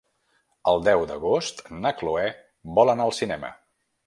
El deu d'agost na Chloé vol anar al cinema.